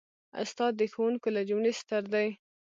استاد د ښوونکو له جملې ستر دی.